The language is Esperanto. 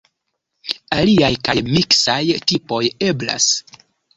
Aliaj kaj miksaj tipoj eblas.